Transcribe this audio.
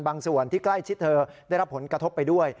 ส่วนที่ใกล้ชิดเธอได้รับผลกระทบไปด้วย